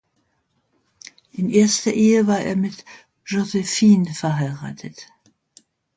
In erster Ehe war er mit Josephine verheiratet.